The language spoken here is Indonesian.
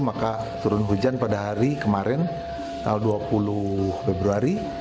maka turun hujan pada hari kemarin tanggal dua puluh februari